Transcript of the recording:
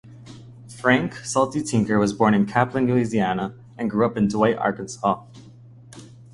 Frank "Salty" Tinker was born in Kaplan, Louisiana, and grew up in DeWitt, Arkansas.